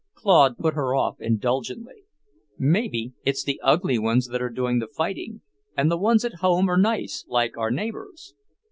Claude put her off indulgently. "Maybe it's the ugly ones that are doing the fighting, and the ones at home are nice, like our neighbours."